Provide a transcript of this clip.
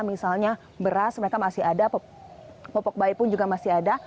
misalnya beras mereka masih ada popok bayi pun juga masih ada